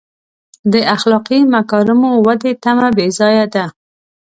د اخلاقي مکارمو ودې تمه بې ځایه ده.